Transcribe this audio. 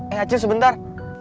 eh acil sebentar